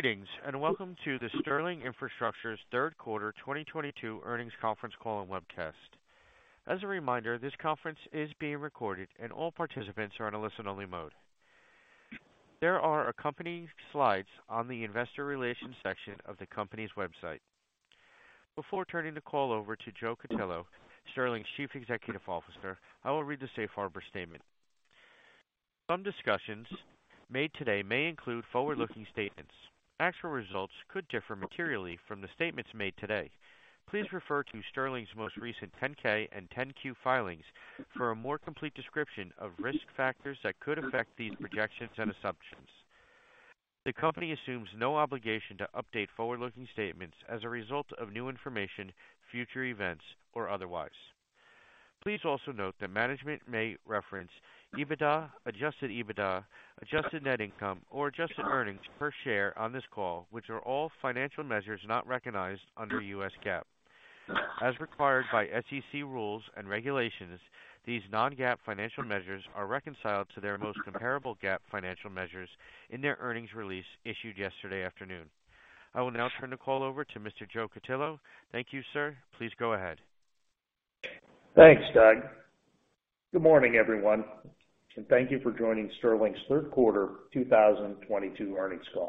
Greetings, and welcome to the Sterling Infrastructure's Q3 2022 Earnings Conference Call and Webcast. As a reminder, this conference is being recorded and all participants are on a listen-only mode. There are accompanying slides on the investor relations section of the company's website. Before turning the call over to Joseph A. Cutillo, Sterling's Chief Executive Officer, I will read the safe harbor statement. Some discussions made today may include forward-looking statements. Actual results could differ materially from the statements made today. Please refer to Sterling's most recent 10-K and 10-Q filings for a more complete description of risk factors that could affect these projections and assumptions. The company assumes no obligation to update forward-looking statements as a result of new information, future events, or otherwise. Please also note that management may reference EBITDA, adjusted EBITDA, adjusted net income, or adjusted earnings per share on this call, which are all financial measures not recognized under U.S. GAAP. As required by SEC rules and regulations, these non-GAAP financial measures are reconciled to their most comparable GAAP financial measures in their earnings release issued yesterday afternoon. I will now turn the call over to Mr. Joseph A. Cutillo. Thank you, sir. Please go ahead. Thanks, Doug. Good morning, everyone, and thank you for joining Sterling's Q3 2022 Earnings Call.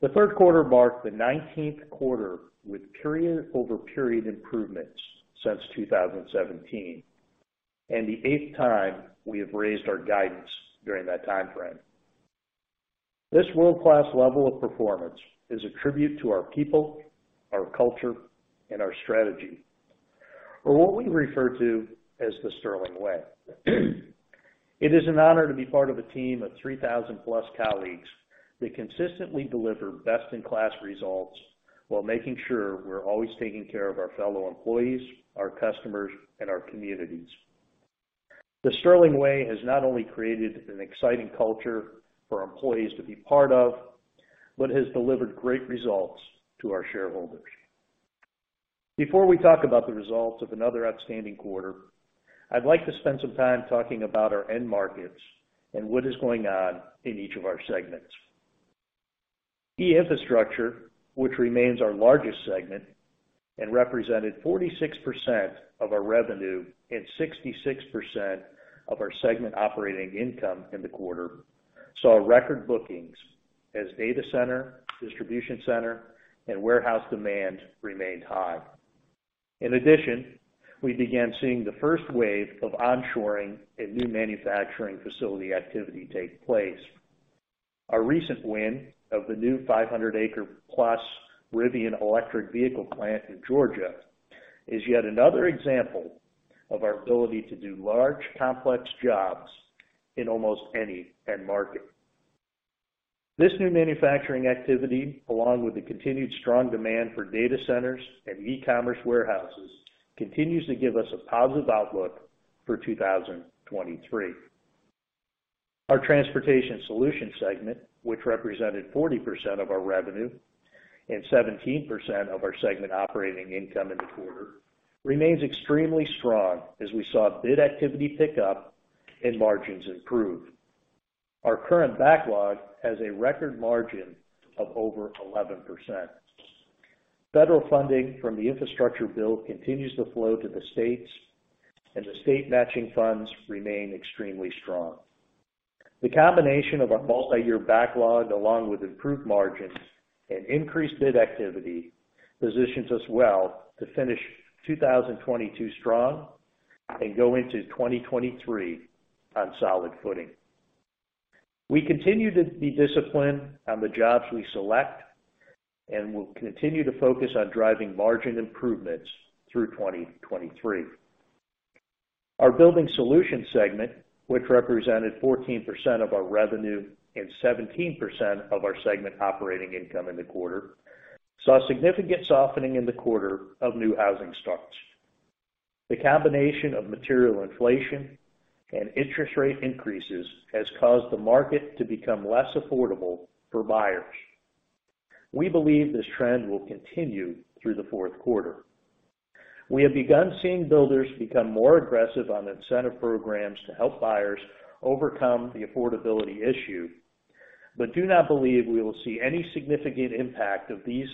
The Q3 marked the 19th quarter with period-over-period improvements since 2017, and the eighth time we have raised our guidance during that time frame. This world-class level of performance is a tribute to our people, our culture, and our strategy, or what we refer to as the Sterling Way. It is an honor to be part of a team of 3,000-plus colleagues that consistently deliver best-in-class results while making sure we're always taking care of our fellow employees, our customers, and our communities. The Sterling Way has not only created an exciting culture for employees to be part of, but has delivered great results to our shareholders. Before we talk about the results of another outstanding quarter, I'd like to spend some time talking about our end markets and what is going on in each of our segments. E-infrastructure, which remains our largest segment and represented 46% of our revenue and 66% of our segment operating income in the quarter, saw record bookings as data center, distribution center, and warehouse demand remained high. In addition, we began seeing the first wave of onshoring and new manufacturing facility activity take place. Our recent win of the new 500-acre-plus Rivian electric vehicle plant in Georgia is yet another example of our ability to do large, complex jobs in almost any end market. This new manufacturing activity, along with the continued strong demand for data centers and e-commerce warehouses, continues to give us a positive outlook for 2023. Our Transportation Solutions segment, which represented 40% of our revenue and 17% of our segment operating income in the quarter, remains extremely strong as we saw bid activity pick up and margins improve. Our current backlog has a record margin of over 11%. Federal funding from the infrastructure bill continues to flow to the states, and the state matching funds remain extremely strong. The combination of our multi-year backlog, along with improved margins and increased bid activity, positions us well to finish 2022 strong and go into 2023 on solid footing. We continue to be disciplined on the jobs we select, and we'll continue to focus on driving margin improvements through 2023. Our Building Solutions segment, which represented 14% of our revenue and 17% of our segment operating income in the quarter, saw a significant softening in the quarter of new housing starts. The combination of material inflation and interest rate increases has caused the market to become less affordable for buyers. We believe this trend will continue through the Q4. We have begun seeing builders become more aggressive on incentive programs to help buyers overcome the affordability issue, but do not believe we will see any significant impact of these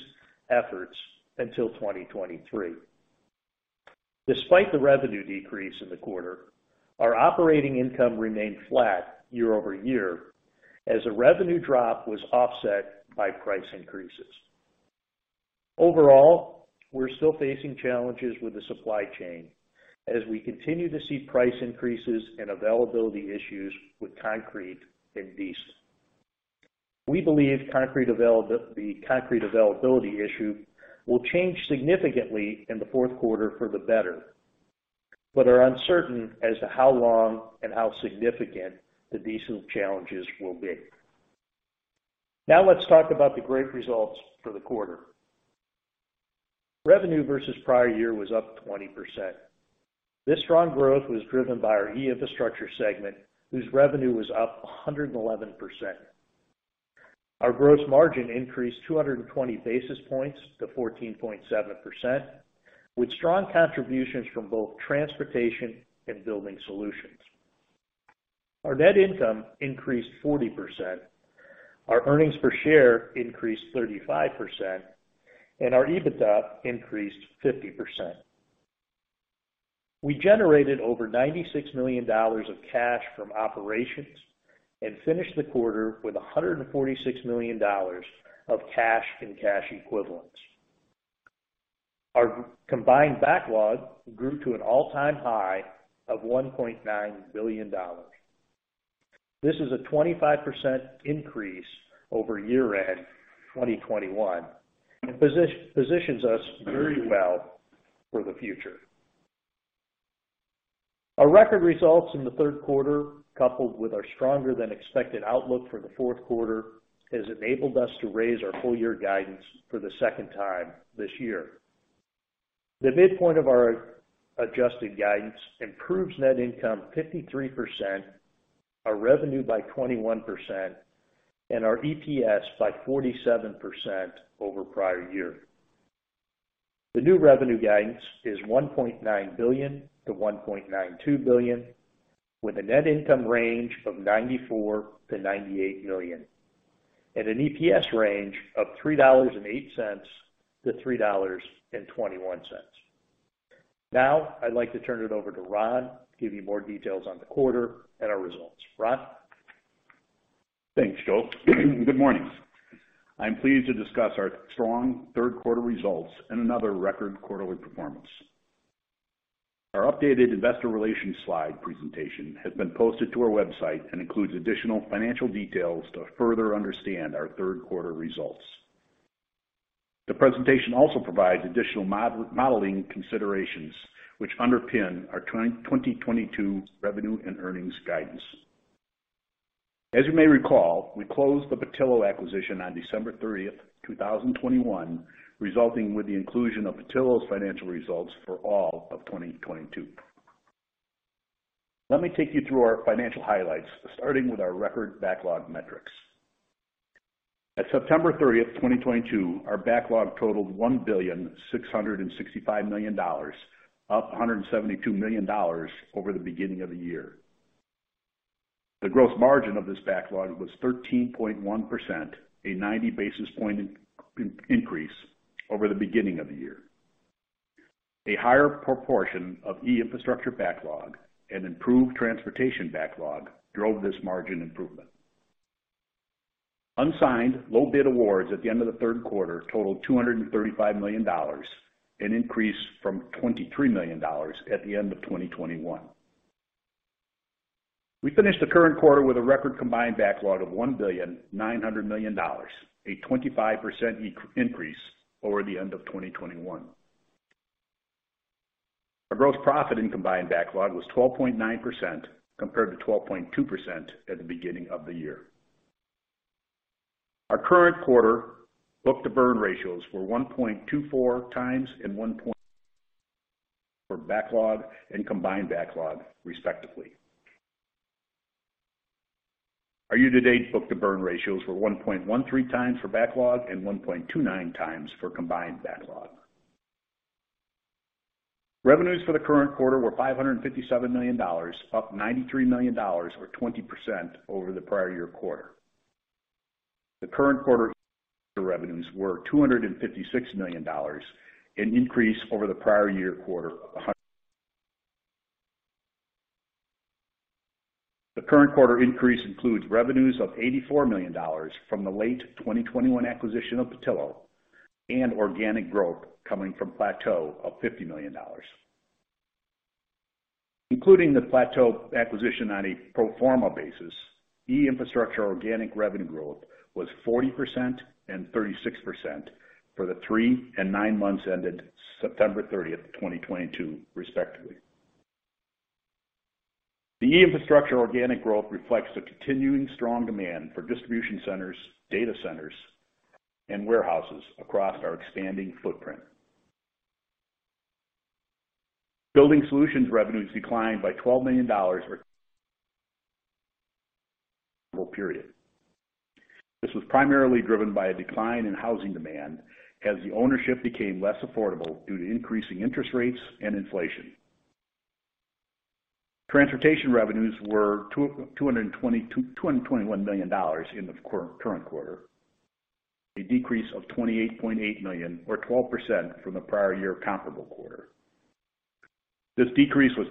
efforts until 2023. Despite the revenue decrease in the quarter, our operating income remained flat year over year as the revenue drop was offset by price increases. Overall, we're still facing challenges with the supply chain as we continue to see price increases and availability issues with concrete and diesel. We believe the concrete availability issue will change significantly in Q4 for the better, but are uncertain as to how long and how significant the diesel challenges will be. Now let's talk about the great results for the quarter. Revenue versus prior year was up 20%. This strong growth was driven by our E-infrastructure segment, whose revenue was up 111%. Our gross margin increased 220 basis points to 14.7%, with strong contributions from both Transportation and Building Solutions. Our net income increased 40%. Our earnings per share increased 35%, and our EBITDA increased 50%. We generated over $96 million of cash from operations and finished the quarter with $146 million of cash and cash equivalents. Our combined backlog grew to an all-time high of $1.9 billion. This is a 25% increase over year-end 2021 and positions us very well for the future. Our record results in the Q3, coupled with our stronger than expected outlook for the Q4, has enabled us to raise our full year guidance for the second time this year. The midpoint of our adjusted guidance improves net income 53%, our revenue by 21%, and our EPS by 47% over prior year. The new revenue guidance is $1.9 billion-$1.92 billion, with a net income range of $94 million-$98 million, and an EPS range of $3.08-$3.21. Now, I'd like to turn it over to Ron to give you more details on the quarter and our results. Ron? Thanks, Joe. Good morning. I'm pleased to discuss our strong Q3 results and another record quarterly performance. Our updated investor relations slide presentation has been posted to our website and includes additional financial details to further understand our Q3 results. The presentation also provides additional modeling considerations which underpin our 2022 revenue and earnings guidance. As you may recall, we closed the Petillo acquisition on December 30th, 2021, resulting with the inclusion of Petillo's financial results for all of 2022. Let me take you through our financial highlights, starting with our record backlog metrics. At September 30th, 2022, our backlog totaled $1.665 billion, up $172 million over the beginning of the year. The gross margin of this backlog was 13.1%, a 90 basis points increase over the beginning of the year. A higher proportion of E-infrastructure backlog and improved transportation backlog drove this margin improvement. Unsigned low bid awards at the end of the Q3 totaled $235 million, an increase from $23 million at the end of 2021. We finished the current quarter with a record combined backlog of $1.9 billion, a 25% increase over the end of 2021. Our gross profit in combined backlog was 12.9% compared to 12.2% at the beginning of the year. Our current quarter book-to-bill ratios were 1.24 times and 1.4 for backlog and combined backlog, respectively. Our year-to-date book-to-bill ratios were 1.13 times for backlog and 1.29 times for combined backlog. Revenues for the current quarter were $557 million, up $93 million or 20% over the prior year quarter. The current quarter revenues were $256 million, an increase over the prior year quarter. The current quarter increase includes revenues of $84 million from the late 2021 acquisition of Petillo and organic growth coming from Petillo of $50 million. Including the Petillo acquisition on a pro forma basis, E-infrastructure organic revenue growth was 40% and 36% for the three and nine months ended September 30, 2022, respectively. The E-infrastructure organic growth reflects the continuing strong demand for distribution centers, data centers, and warehouses across our expanding footprint. Building Solutions revenues declined by $12 million. This was primarily driven by a decline in housing demand as home ownership became less affordable due to increasing interest rates and inflation. Transportation revenues were $221 million in the current quarter, a decrease of $28.8 million or 12% from the prior year comparable quarter. This decrease was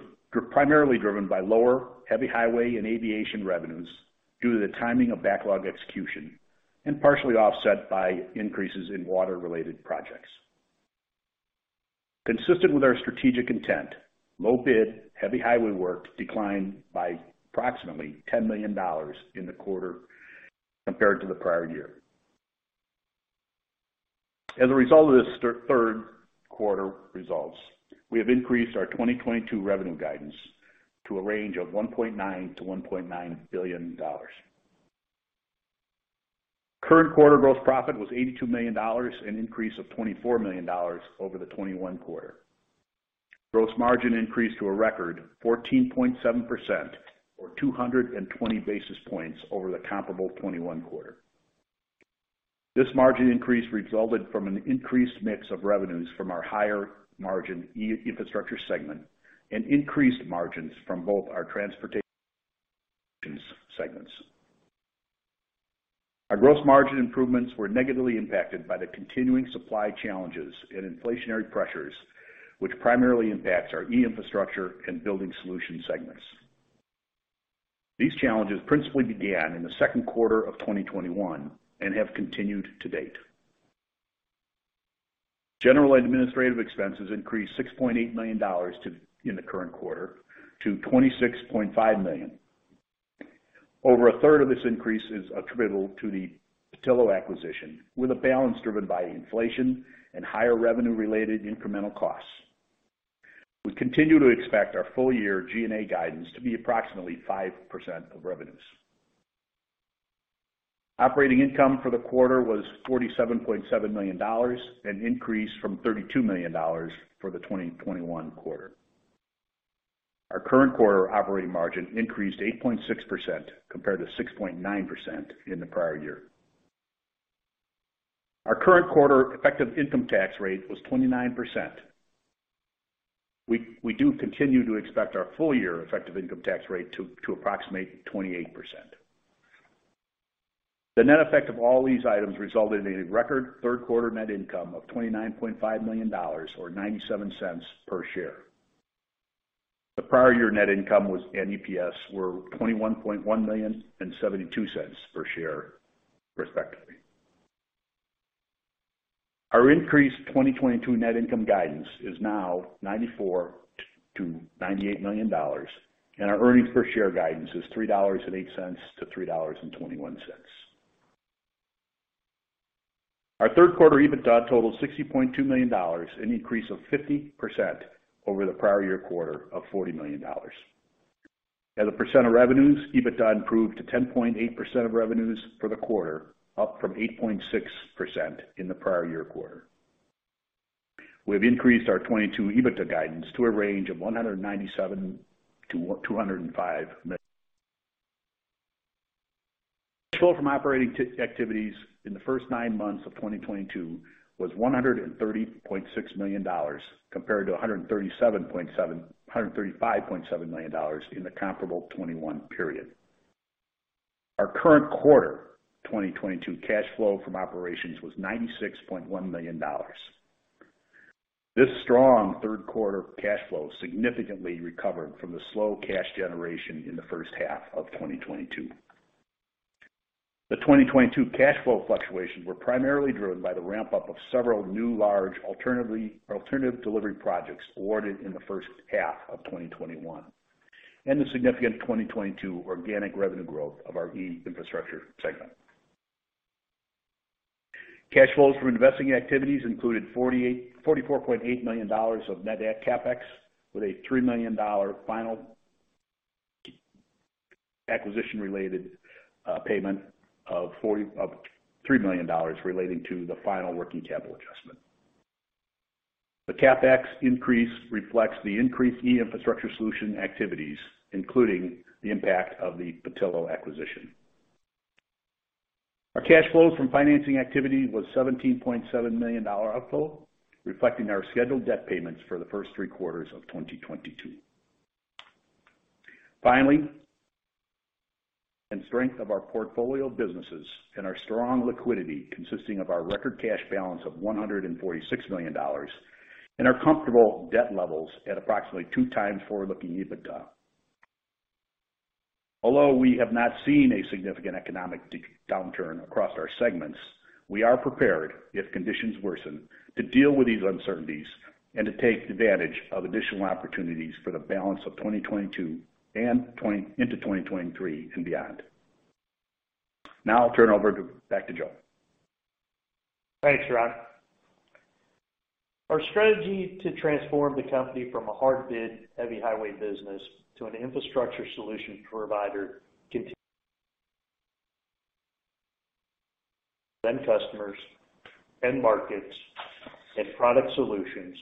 primarily driven by lower heavy highway and aviation revenues due to the timing of backlog execution and partially offset by increases in water-related projects. Consistent with our strategic intent, low bid heavy highway work declined by approximately $10 million in the quarter compared to the prior year. As a result of this Q3 results, we have increased our 2022 revenue guidance to a range of $1.9 billion-$1.9 billion. Current quarter gross profit was $82 million, an increase of $24 million over the 2021 quarter. Gross margin increased to a record 14.7% or 220 basis points over the comparable 2021 quarter. This margin increase resulted from an increased mix of revenues from our higher margin E-infrastructure segment and increased margins from both our transportation segments. Our gross margin improvements were negatively impacted by the continuing supply challenges and inflationary pressures, which primarily impacts our E-infrastructure and Building Solutions segments. These challenges principally began in Q2 of 2021 and have continued to date. General and administrative expenses increased $6.8 million to $26.5 million in the current quarter. Over a third of this increase is attributable to the Petillo acquisition, with a balance driven by inflation and higher revenue-related incremental costs. We continue to expect our full-year G&A guidance to be approximately 5% of revenues. Operating income for the quarter was $47.7 million, an increase from $32 million for the 2021 quarter. Our current quarter operating margin increased 8.6% compared to 6.9% in the prior year. Our current quarter effective income tax rate was 29%. We do continue to expect our full-year effective income tax rate to approximate 28%. The net effect of all these items resulted in a record Q3 net income of $29.5 million or $0.97 per share. The prior year net income was and EPS were $21.1 million and $0.72 per share, respectively. Our increased 2022 net income guidance is now $94 million-$98 million, and our earnings per share guidance is $3.08-$3.21. Our Q3 EBITDA totaled $60.2 million, an increase of 50% over the prior year quarter of $40 million. As a percent of revenues, EBITDA improved to 10.8% of revenues for the quarter, up from 8.6% in the prior year quarter. We've increased our 2022 EBITDA guidance to a range of $197 million-$205 million. Cash flow from operating activities in the first nine months of 2022 was $130.6 million compared to $135.7 million in the comparable 2021 period. Our current quarter 2022 cash flow from operations was $96.1 million. This strong Q3 cash flow significantly recovered from the slow cash generation in the first half of 2022. The 2022 cash flow fluctuations were primarily driven by the ramp-up of several new large alternative delivery projects awarded in the first half of 2021, and the significant 2022 organic revenue growth of our E-infrastructure segment. Cash flows from investing activities included $44.8 million of net add CapEx, with a $3 million final acquisition-related payment of $3 million relating to the final working capital adjustment. The CapEx increase reflects the increased E-infrastructure Solutions activities, including the impact of the Petillo acquisition. Our cash flows from financing activity was $17.7 million outflow, reflecting our scheduled debt payments for the first three quarters of 2022. Finally, the strength of our portfolio of businesses and our strong liquidity, consisting of our record cash balance of $146 million and our comfortable debt levels at approximately two times forward-looking EBITDA. Although we have not seen a significant economic downturn across our segments, we are prepared, if conditions worsen, to deal with these uncertainties and to take advantage of additional opportunities for the balance of 2022 and into 2023 and beyond. Now I'll turn back to Joe. Thanks, Ron. Our strategy to transform the company from a hard bid heavy highway business to an infrastructure solution provider continues. End customers, end markets, and product solutions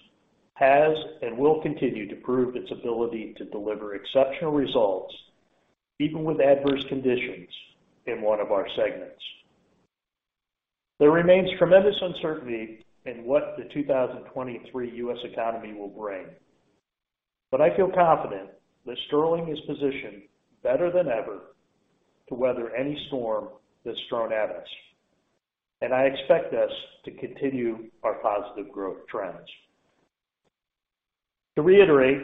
has and will continue to prove its ability to deliver exceptional results, even with adverse conditions in one of our segments. There remains tremendous uncertainty in what the 2023 U.S. economy will bring. I feel confident that Sterling is positioned better than ever to weather any storm that's thrown at us. I expect us to continue our positive growth trends. To reiterate,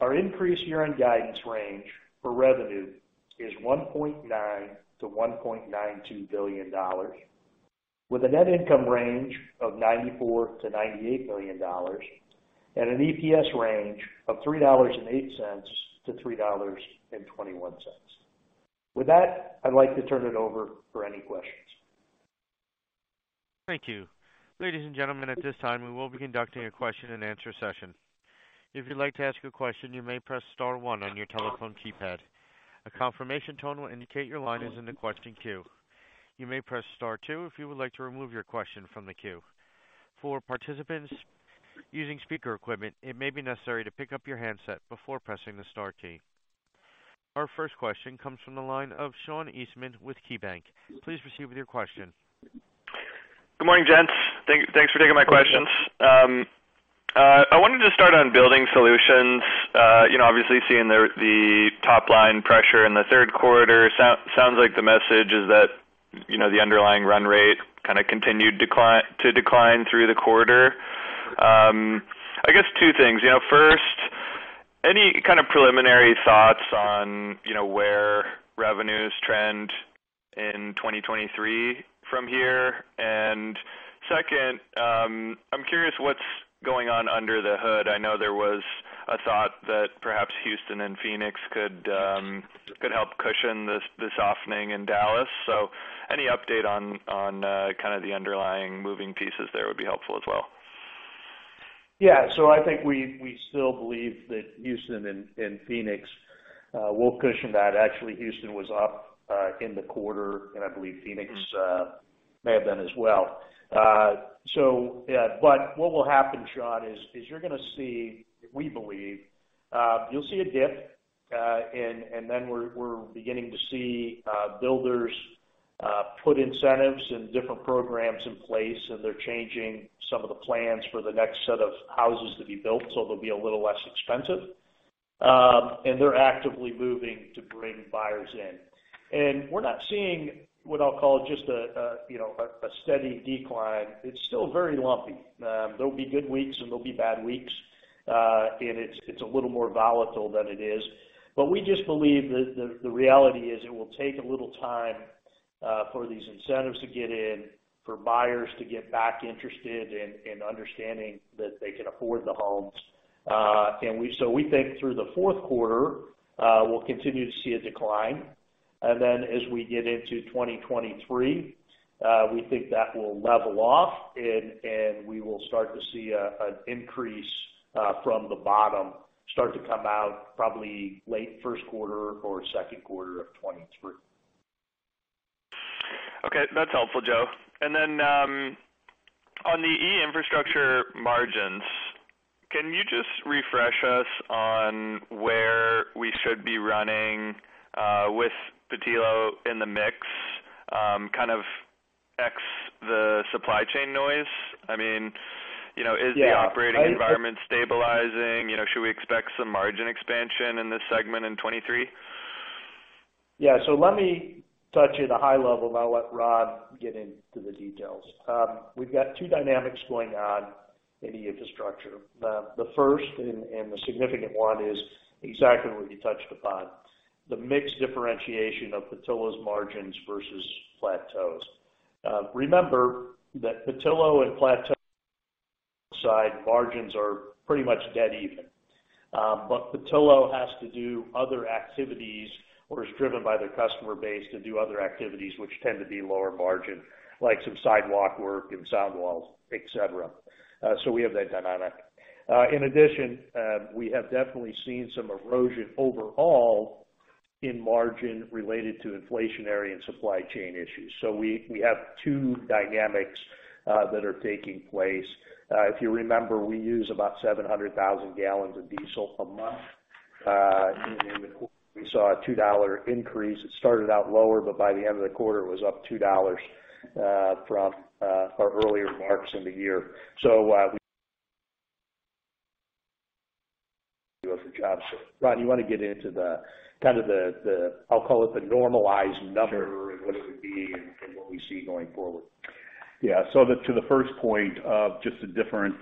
our increased year-end guidance range for revenue is $1.9 billion-$1.92 billion, with a net income range of $94 million-$98 million and an EPS range of $3.08-$3.21. With that, I'd like to turn it over for any questions. Thank you. Ladies and gentlemen, at this time, we will be conducting a question-and-answer session. If you'd like to ask a question, you may press star one on your telephone keypad. A confirmation tone will indicate your line is in the question queue. You may press star two if you would like to remove your question from the queue. For participants using speaker equipment, it may be necessary to pick up your handset before pressing the star key. Our first question comes from the line of Sean Eastman with KeyBanc. Please proceed with your question. Good morning, gents. Thanks for taking my questions. I wanted to start on Building Solutions. You know, obviously seeing the top line pressure in the Q3, sounds like the message is that, you know, the underlying run rate kinda continued to decline through the quarter. I guess two things. You know, first, any kind of preliminary thoughts on, you know, where revenues trend in 2023 from here? Second, I'm curious what's going on under the hood. I know there was a thought that perhaps Houston and Phoenix could help cushion this, the softening in Dallas. Any update on, kinda the underlying moving pieces there would be helpful as well. Yeah. I think we still believe that Houston and Phoenix will cushion that. Actually, Houston was up in the quarter, and I believe Phoenix- Mm-hmm. may have been as well. What will happen, Sean, is you're gonna see, we believe, you'll see a dip, and then we're beginning to see builders put incentives and different programs in place, and they're changing some of the plans for the next set of houses to be built, so they'll be a little less expensive. They're actively moving to bring buyers in. We're not seeing what I'll call just a, you know, a steady decline. It's still very lumpy. There'll be good weeks, and there'll be bad weeks. It's a little more volatile than it is. We just believe that the reality is it will take a little time for these incentives to get in, for buyers to get back interested in understanding that they can afford the homes. So we think through the Q4, we'll continue to see a decline. Then as we get into 2023, we think that will level off and we will start to see an increase from the bottom start to come out probably late Q1 or Q2 of 2023. Okay. That's helpful, Joe. On the E-infrastructure margins, can you just refresh us on where we should be running with Petillo in the mix, kind of ex the supply chain noise? I mean, you know. Yeah. Is the operating environment stabilizing? You know, should we expect some margin expansion in this segment in 2023? Yeah. Let me touch at a high level. I'll let Ron get into the details. We've got two dynamics going on in E-infrastructure. The first and the significant one is exactly what you touched upon, the mix differentiation of Petillo's margins versus Petillo's. Remember that Petillo and Petillo's margins are pretty much dead even. But Petillo has to do other activities or is driven by their customer base to do other activities which tend to be lower margin, like some sidewalk work and sound walls, et cetera. We have that dynamic. In addition, we have definitely seen some erosion overall in margin related to inflationary and supply chain issues. We have two dynamics that are taking place. If you remember, we use about 700,000 gallons of diesel a month. In the quarter, we saw a $2 increase. It started out lower, but by the end of the quarter, it was up $2 from our earlier marks in the year. We do it for jobs. Ron, you wanna get into the kind of the. I'll call it the normalized number- Sure. what it would be and what we see going forward. To the first point of just the different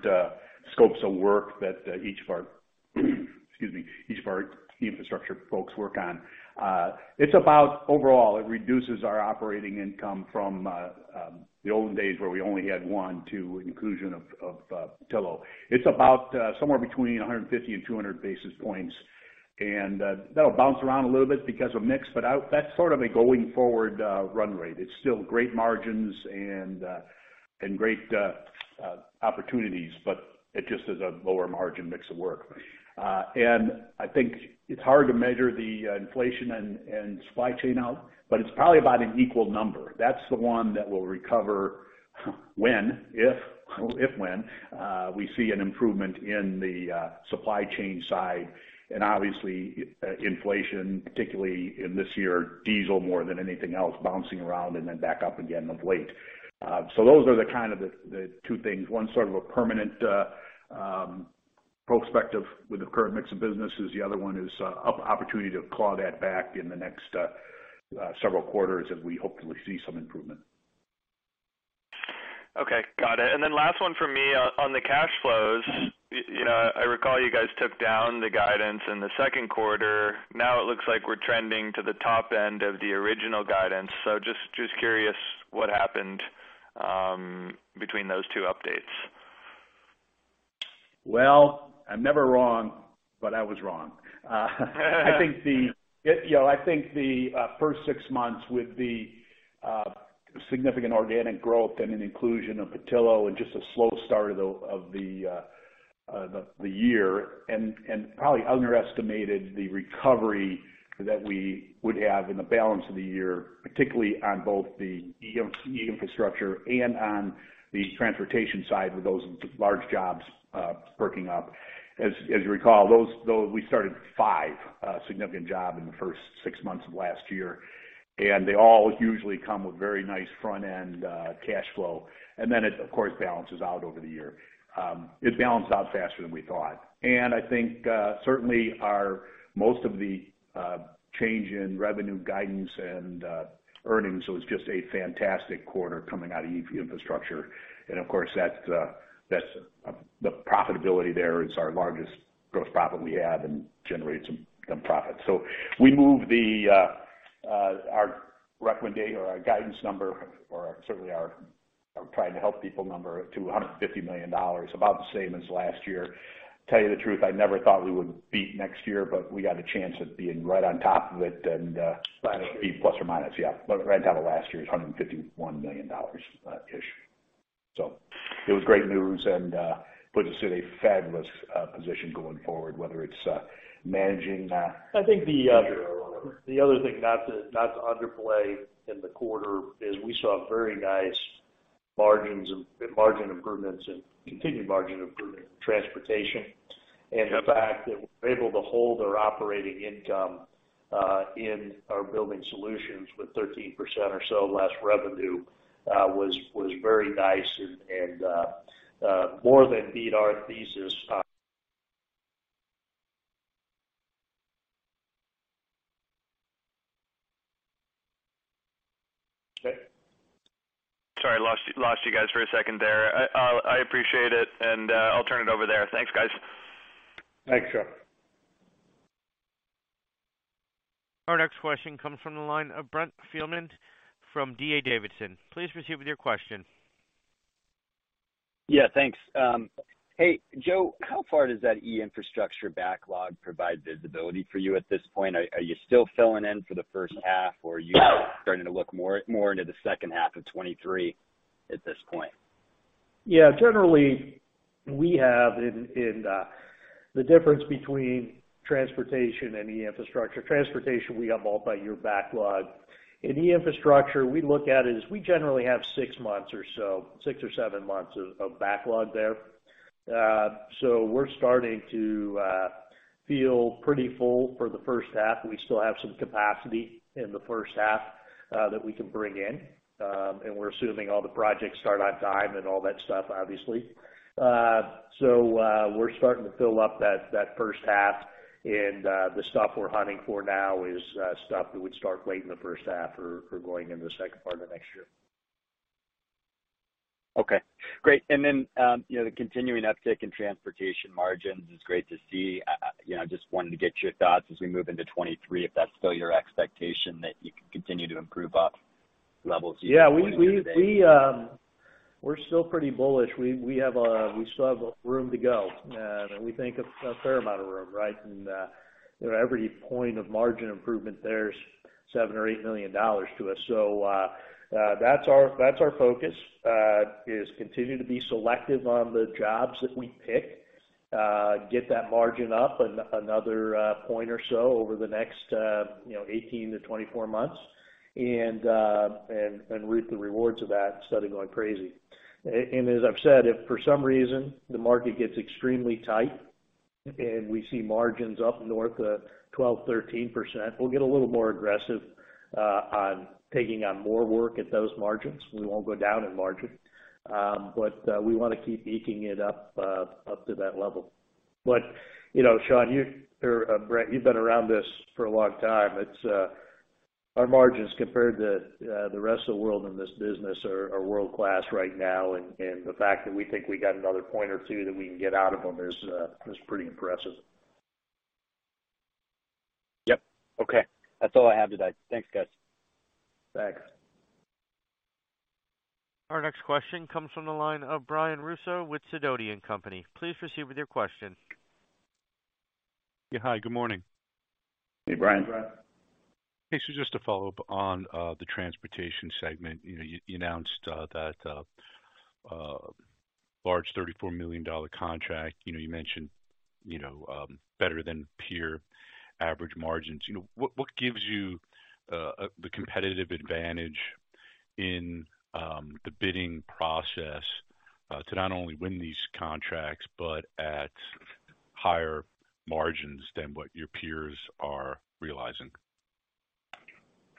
scopes of work that each of our E-infrastructure folks work on. It's about, overall, it reduces our operating income from the old days where we only had one to inclusion of Petillo. It's about somewhere between 150-200 basis points. That'll bounce around a little bit because of mix, but that's sort of a going forward run rate. It's still great margins and great opportunities, but it just is a lower margin mix of work. I think it's hard to measure the inflation and supply chain out, but it's probably about an equal number. That's the one that will recover when...if we see an improvement in the supply chain side and obviously inflation, particularly in this year, diesel more than anything else, bouncing around and then back up again of late. Those are the kind of the two things. One sort of a permanent prospective with the current mix of businesses. The other one is opportunity to claw that back in the next several quarters as we hopefully see some improvement. Okay. Got it. Last one for me. On the cash flows, you know, I recall you guys took down the guidance in the Q2. Now it looks like we're trending to the top end of the original guidance. Just curious what happened between those two updates. Well, I'm never wrong, but I was wrong. I think the, you know, first six months with the significant organic growth and an inclusion of Petillo and just a slow start of the year and probably underestimated the recovery that we would have in the balance of the year, particularly on both the E-infrastructure and on the transportation side with those large jobs perking up. You recall, we started five significant job in the first six months of last year, and they all usually come with very nice front-end cash flow. It, of course, balances out over the year. It balanced out faster than we thought. I think certainly most of the change in revenue guidance and earnings was just a fantastic quarter coming out of E-infrastructure. Of course, that's the profitability there. It's our largest gross profit we have and generates some profit. We moved our guidance number or certainly our trying to help people number to $150 million, about the same as last year. Tell you the truth, I never thought we would beat next year, but we got a chance at being right on top of it and. Last year. Plus or minus. Yeah. Right out of last year is $151 million ish. It was great news and puts us in a fabulous position going forward, whether it's managing. I think the other thing not to underplay in the quarter is we saw very nice margins and margin improvements and continued margin improvement in transportation. Yep. The fact that we're able to hold our operating income in our Building Solutions with 13% or so less revenue was very nice and more than beat our thesis. Okay. Sorry, I lost you guys for a second there. I appreciate it, and I'll turn it over there. Thanks, guys. Thanks, Sean. Our next question comes from the line of Brent Thielman from D.A. Davidson. Please proceed with your question. Yeah, thanks. Hey, Joe. How far does that E-infrastructure backlog provide visibility for you at this point? Are you still filling in for the first half or are you starting to look more into the second half of 2023 at this point? Yeah, generally, we have a difference between transportation and E-infrastructure. Transportation, we have all of our backlog. In E-infrastructure, we generally have six months or so, six or seven months of backlog there. We're starting to feel pretty full for the first half. We still have some capacity in the first half that we can bring in. We're assuming all the projects start on time and all that stuff, obviously. We're starting to fill up that first half. The stuff we're hunting for now is stuff that would start late in the first half or going into the second part of next year. Okay, great. You know, the continuing uptick in transportation margins is great to see. You know, just wanted to get your thoughts as we move into 2023, if that's still your expectation that you can continue to improve up levels. Yeah. We're still pretty bullish. We still have room to go, and we think a fair amount of room, right? You know, every point of margin improvement, there's $7-$8 million to us. That's our focus is continue to be selective on the jobs that we pick, get that margin up another point or so over the next, you know, 18-24 months, and reap the rewards of that instead of going crazy. As I've said, if for some reason the market gets extremely tight and we see margins up north of 12-13%, we'll get a little more aggressive on taking on more work at those margins. We won't go down in margin. We wanna keep eking it up to that level. You know, Sean, you or Brent, you've been around this for a long time. It's our margins compared to the rest of the world in this business are world-class right now. The fact that we think we got another point or two that we can get out of them is pretty impressive. Yep. Okay. That's all I have today. Thanks, guys. Thanks. Our next question comes from the line of Brian Russo with Sidoti & Company. Please proceed with your question. Yeah. Hi, good morning. Hey, Brian. Just to follow up on the transportation segment. You announced that large $34 million contract. You mentioned better than peer average margins. What gives you the competitive advantage in the bidding process to not only win these contracts, but at higher margins than what your peers are realizing?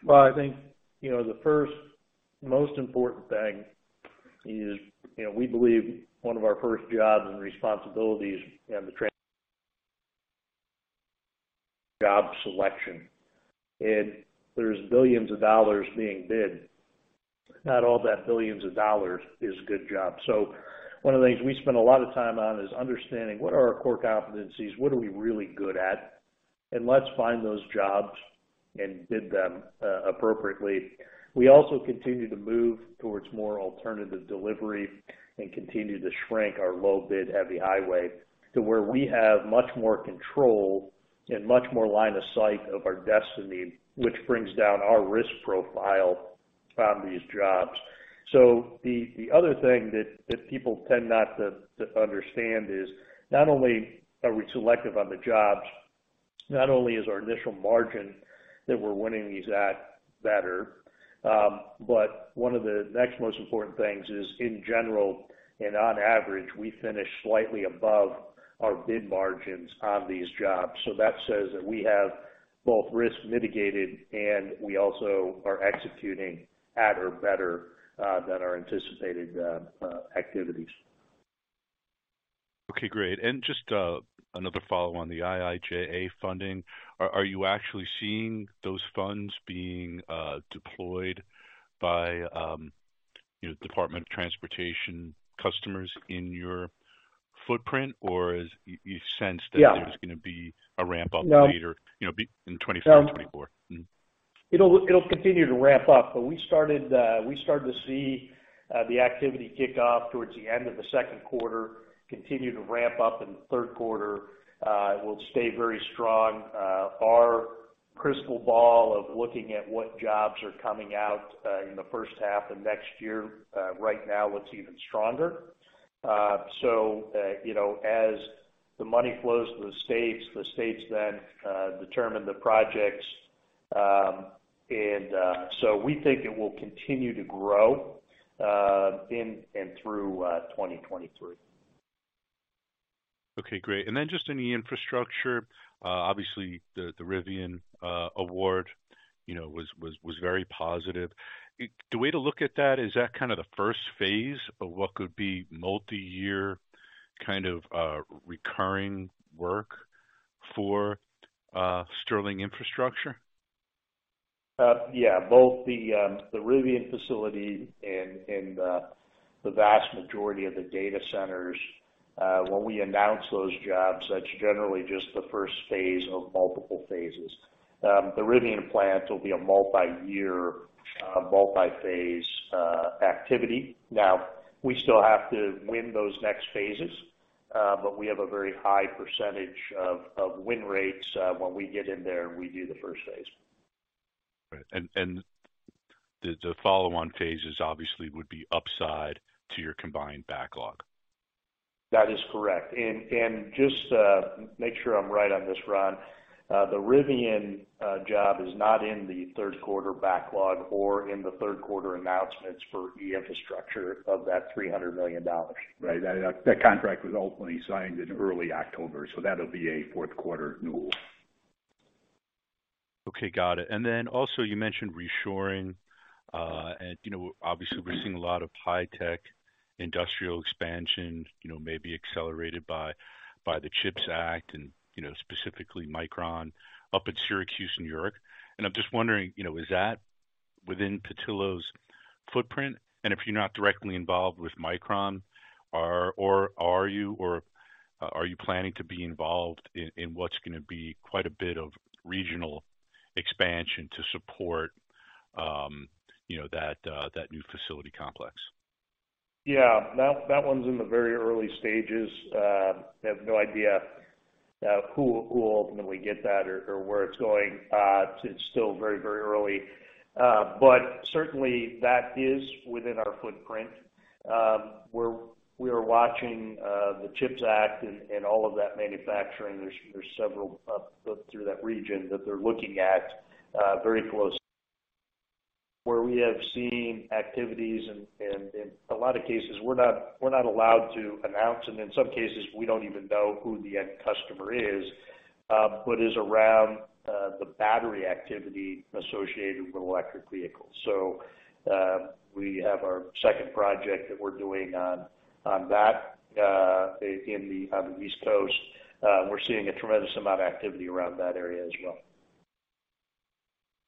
Well, I think, you know, the first most important thing is, you know, we believe one of our first jobs and responsibilities in the transportation job selection. There's billions of dollars being bid. Not all those billions of dollars is a good job. One of the things we spend a lot of time on is understanding what are our core competencies, what are we really good at, and let's find those jobs and bid them appropriately. We also continue to move towards more alternative delivery and continue to shrink our low bid heavy highway to where we have much more control and much more line of sight of our destiny, which brings down our risk profile on these jobs. The other thing that people tend not to understand is not only is our initial margin that we're winning these at better, but one of the next most important things is, in general and on average, we finish slightly above our bid margins on these jobs. That says that we have both risk mitigated and we also are executing at or better than our anticipated activities. Okay, great. Just another follow on the IIJA funding. Are you actually seeing those funds being deployed by, you know, Department of Transportation customers in your footprint? Or you sense that Yeah. There's gonna be a ramp up later, you know, be in 2025, 2024? It'll continue to ramp-up. We started to see the activity kick off towards the end of the Q2, continue to ramp-up in the Q3. It will stay very strong. Our crystal ball of looking at what jobs are coming out in the first half of next year right now looks even stronger. You know, as the money flows to the states, the states then determine the projects. We think it will continue to grow in and through 2023. Okay, great. Just in the infrastructure, obviously the Rivian award, you know, was very positive. The way to look at that is that kind of the first phase of what could be multi-year kind of recurring work for Sterling Infrastructure? Yeah, both the Rivian facility and the vast majority of the data centers, when we announce those jobs, that's generally just the first phase of multiple phases. The Rivian plant will be a multi-year, multi-phase activity. Now, we still have to win those next phases, but we have a very high percentage of win rates, when we get in there and we do the first phase. Right. The follow-on phases obviously would be upside to your combined backlog. That is correct. Just to make sure I'm right on this, Ron, the Rivian job is not in the Q3 backlog or in the Q3 announcements for E-infrastructure of that $300 million. Right. That contract was ultimately signed in early October, so that'll be a Q4 new. Okay, got it. Also you mentioned reshoring. You know, obviously we're seeing a lot of high tech industrial expansion, you know, maybe accelerated by the CHIPS Act, you know, specifically Micron up in Syracuse, New York. I'm just wondering, you know, is that within Petillo's footprint? If you're not directly involved with Micron, or are you planning to be involved in what's gonna be quite a bit of regional expansion to support, you know, that new facility complex? Yeah, that one's in the very early stages. They have no idea who will ultimately get that or where it's going. It's still very early. Certainly that is within our footprint. We are watching the CHIPS Act and all of that manufacturing. There are several up through that region that they're looking at very closely. Where we have seen activities, and in a lot of cases we're not allowed to announce, and in some cases, we don't even know who the end customer is, but it is around the battery activity associated with electric vehicles. We have our second project that we're doing on that on the East Coast. We're seeing a tremendous amount of activity around that area as well.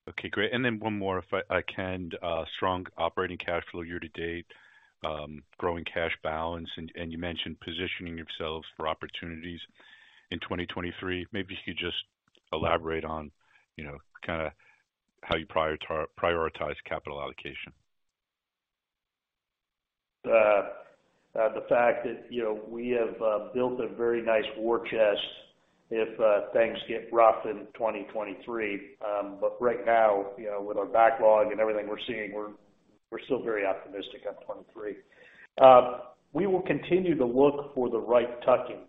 Okay, great. Then one more if I can. Strong operating cash flow year to date, growing cash balance, and you mentioned positioning yourselves for opportunities in 2023? Maybe if you could just elaborate on, you know, kinda how you prioritize capital allocation. The fact that, you know, we have built a very nice war chest if things get rough in 2023. Right now, you know, with our backlog and everything we're seeing, we're still very optimistic on 2023. We will continue to look for the right tuck-ins.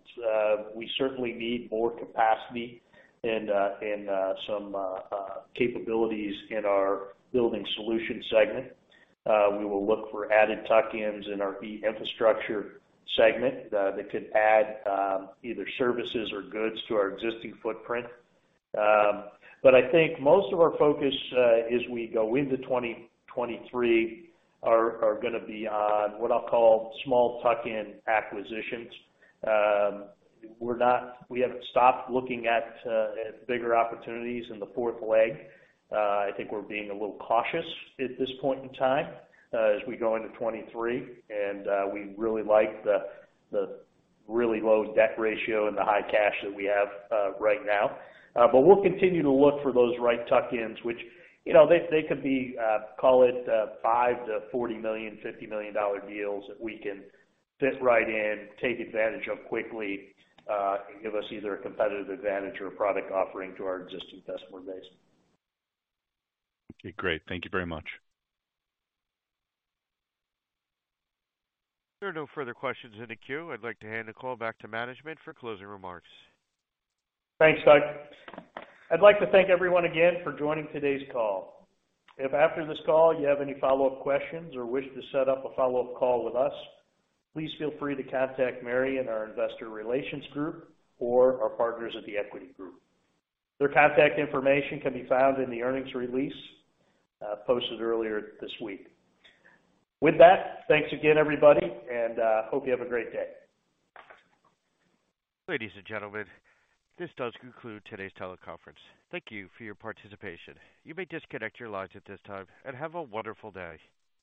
We certainly need more capacity and some capabilities in our Building Solutions segment. We will look for added tuck-ins in our E-infrastructure segment that could add either services or goods to our existing footprint. I think most of our focus as we go into 2023 are gonna be on what I'll call small tuck-in acquisitions. We haven't stopped looking at bigger opportunities in the fourth leg. I think we're being a little cautious at this point in time as we go into 2023. We really like the really low debt ratio and the high cash that we have right now. But we'll continue to look for those right tuck-ins, which, you know, they could be, call it, $5 million-$40 million, $50 million dollar deals that we can fit right in, take advantage of quickly, and give us either a competitive advantage or a product offering to our existing customer base. Okay, great. Thank you very much. There are no further questions in the queue. I'd like to hand the call back to management for closing remarks. Thanks, Doug. I'd like to thank everyone again for joining today's call. If after this call you have any follow-up questions or wish to set up a follow-up call with us, please feel free to contact Mary and our investor relations group or our partners at The Equity Group. Their contact information can be found in the earnings release posted earlier this week. With that, thanks again, everybody, and hope you have a great day. Ladies and gentlemen, this does conclude today's teleconference. Thank you for your participation. You may disconnect your lines at this time, and have a wonderful day.